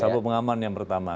sabuk pengaman yang pertama